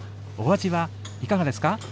お味はいかがですか？